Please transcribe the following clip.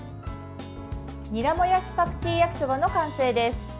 にらもやしパクチー焼きそばの完成です。